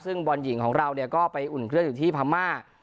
ซึ่งบอลหญิงของเราก็ไปอุ่นเครื่องอยู่ที่พม่า